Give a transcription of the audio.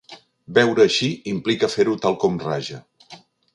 Beure així implica fer-ho tal com raja.